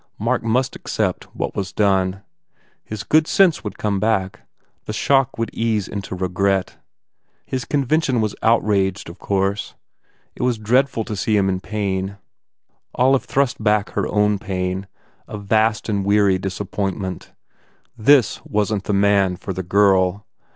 Mark must accept what was done. His good sense would come back, the shock would ease into regret. His convention was outraged, of course. It was dreadful to see him in paia 262 TH E IDOLATER Olive thrust back her own pain, a vast and weary disappointment. This wasn t the man for the girl.